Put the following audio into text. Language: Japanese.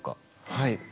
はい。